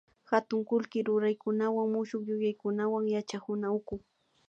katun kullki ruraykunawan mushukyuyaykunawan yachakuna uku